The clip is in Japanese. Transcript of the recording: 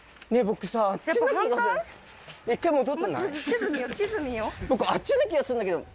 僕あっちな気がするんだけど。